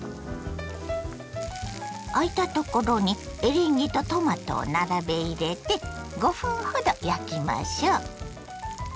あいたところにエリンギとトマトを並べ入れて５分ほど焼きましょ。